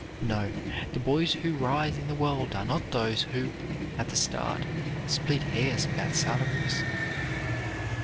No, the boys who rise in the world are not those who, at the start, split hairs about salaries.